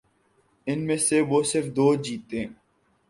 ان میں سے وہ صرف دو جیتنے